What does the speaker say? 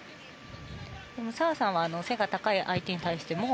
でも、澤さんは背が高い相手に対しても